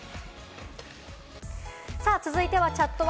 続いてはチャットバ。